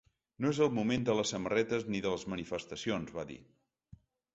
No és el moment de les samarretes ni de les manifestacions, va dir.